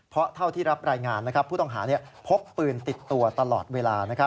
เพราะเท่าที่รับรายงานผู้ต้องหาพกปืนติดตัวตลอดเวลา